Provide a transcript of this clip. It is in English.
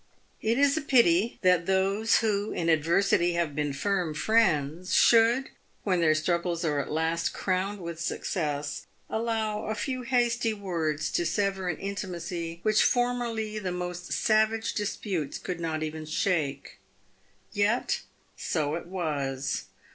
It is a pity that those who in adversity have been firm friends should, when their struggles are at last crowned with success, allow a few hasty words to sever an intimacy which formerly the most savage disputes could not even shake. Yet so it was.